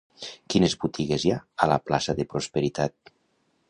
Quines botigues hi ha a la plaça de Prosperitat?